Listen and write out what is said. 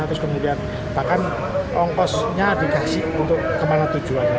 terus kemudian bahkan ongkosnya dikasih untuk kemana tujuannya